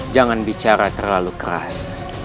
jangan bicara terlalu keras